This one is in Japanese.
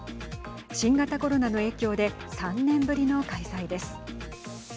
新型コロナの影響で３年ぶりの開催です。